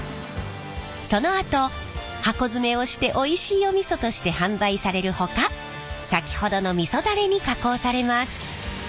そのあと箱詰めをしておいしいお味噌として販売されるほか先ほどのみそダレに加工されます。